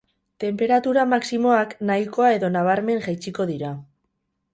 Tenperatura maximoak nahikoa edo nabarmen jaitsiko dira.